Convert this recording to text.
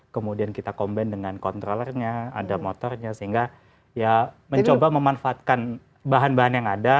kemudian kita comban dengan controllernya ada motornya sehingga ya mencoba memanfaatkan bahan bahan yang ada